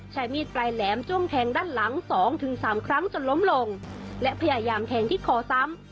ใช้มีดปลายแหลมจ้วงแทงด้านหลังสองถึงสามครั้งจนล้มลงและพยายามแทงที่คอซ้ำ